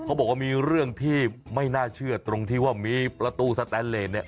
เขาบอกว่ามีเรื่องที่ไม่น่าเชื่อตรงที่ว่ามีประตูสแตนเลสเนี่ย